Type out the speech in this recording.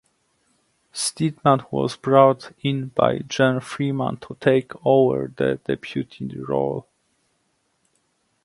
Steedman was brought in by Jeane Freeman to take over the Deputy role.